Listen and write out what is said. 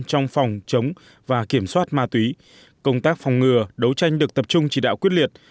trong phòng chống và kiểm soát ma túy công tác phòng ngừa đấu tranh được tập trung chỉ đạo quyết liệt